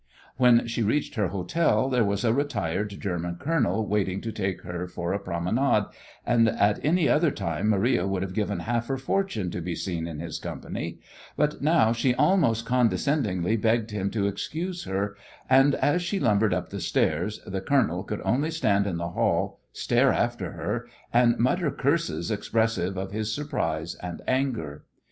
When she reached her hotel there was a retired German colonel waiting to take her for a promenade, and at any other time Maria would have given half her fortune to be seen in his company, but now she almost condescendingly begged him to excuse her, and as she lumbered up the stairs the colonel could only stand in the hall, stare after her, and mutter curses expressive of his surprise and anger.